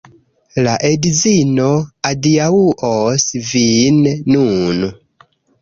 La edzino adiaŭos vin nun